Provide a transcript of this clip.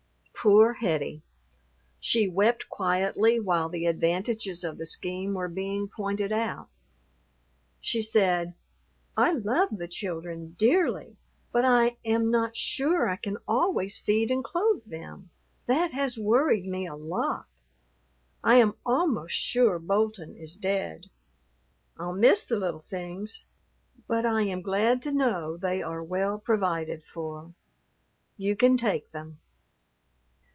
Poor Hettie: she wept quietly while the advantages of the scheme were being pointed out. She said, "I love the children, dearly, but I am not sure I can always feed and clothe them; that has worried me a lot. I am almost sure Bolton is dead. I'll miss the little things, but I am glad to know they are well provided for. You can take them."